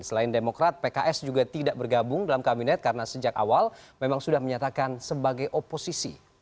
selain demokrat pks juga tidak bergabung dalam kabinet karena sejak awal memang sudah menyatakan sebagai oposisi